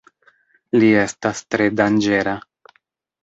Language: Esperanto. Li estas tre danĝera.